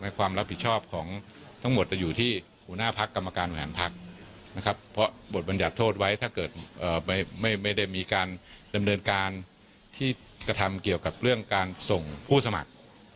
ในความรับผิดชอบของทั้งหมดจะอยู่ที่หัวหน้าพักกรรมการแหวนพัก